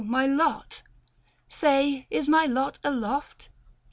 my lot — say is my lot aloft